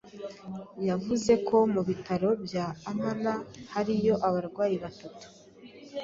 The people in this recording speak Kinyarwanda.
yavuze ko mu bitaro bya Amana hariyo abarwayi batatu